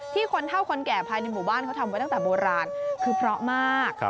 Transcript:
คนเท่าคนแก่ภายในหมู่บ้านเขาทำไว้ตั้งแต่โบราณคือเพราะมาก